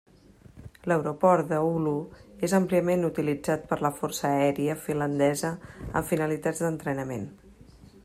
L'aeroport d'Oulu és àmpliament utilitzat per la Força Aèria Finlandesa amb finalitats d'entrenament.